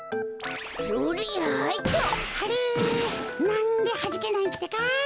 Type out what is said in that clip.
なんではじけないってか？